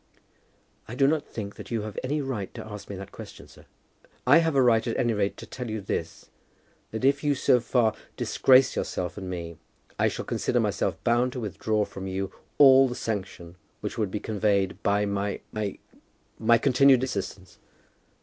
"I do not think that you have any right to ask me that question, sir." "I have a right at any rate to tell you this, that if you so far disgrace yourself and me, I shall consider myself bound to withdraw from you all the sanction which would be conveyed by my my my continued assistance."